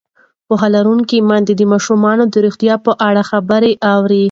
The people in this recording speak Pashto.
پوهه لرونکې میندې د ماشومانو د روغتیا په اړه خبرې اوري.